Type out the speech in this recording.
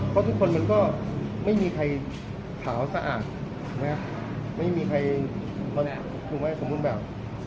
เพราะทุกคนมันก็ไม่มีใครขาวสะอาดไม่มีใครถูกไหมสมบูรณ์แบบ